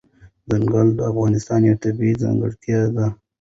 ځنګلونه د افغانستان یوه طبیعي ځانګړتیا ده.